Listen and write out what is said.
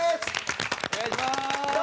お願いします！